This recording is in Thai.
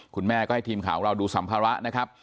คุณแม่ก็ให้ทีมข่าวเราดูสำภาวะ